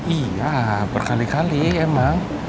iya berkali kali emang